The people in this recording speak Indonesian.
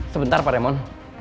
sebentar pak remon